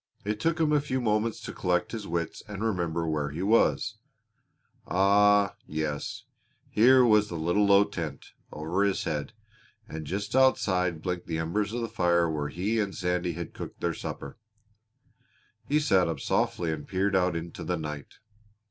It took him a few moments to collect his wits and remember where he was. Ah, yes! Here was the little low tent over his head, and just outside blinked the embers of the fire where he and Sandy had cooked their supper. [Illustration: THEY STOPPED FOR THE NIGHT] He sat up softly and peered out into the night.